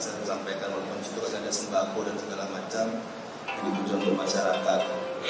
saya sampaikan walaupun disitu ada sembako dan segala macam jadi itu contoh masyarakat